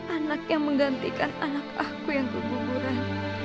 anak yang menggantikan anak aku yang keguguran